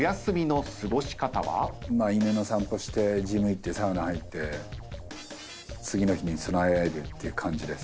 犬の散歩してジム行ってサウナ入って次の日に備えるっていう感じです。